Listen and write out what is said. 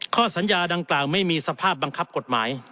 ข้อสัญญาดังกล่าวไม่มีสภาพบังคับกฎหมาย